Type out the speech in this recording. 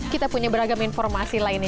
kita punya beragam informasi lainnya